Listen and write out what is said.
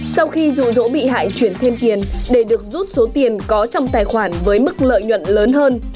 sau khi rụ rỗ bị hại chuyển thêm tiền để được rút số tiền có trong tài khoản với mức lợi nhuận lớn hơn